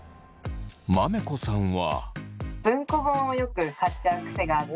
まめこさんは。